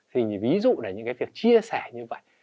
thì ví dụ là những cái việc chia sẻ như vậy